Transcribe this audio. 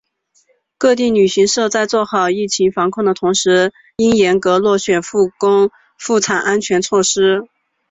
各地旅行社在做好疫情防控的同时应严格落实复工复产安全措施